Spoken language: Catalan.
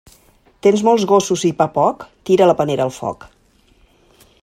Tens molts gossos i pa poc?, tira la panera al foc.